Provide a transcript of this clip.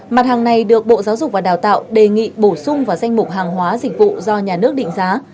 mặt hàng này được bộ giáo dục và đào tạo đề nghị bổ sung vào danh mục hàng hóa dịch vụ do nhà nước định giá